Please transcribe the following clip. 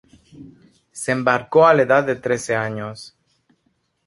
Se embarcó a la edad de trece años.